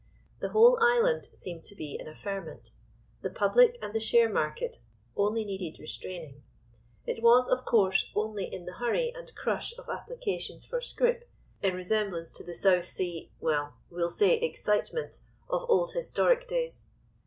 The whole island seemed to be in a ferment. The public and the share market only needed restraining. It was, of course, only in the hurry and crush of applications for scrip, in resemblance to the South Sea—well, we'll say, Excitement of old historic days.